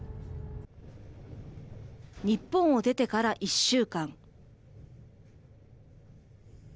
日本を出てから１週間。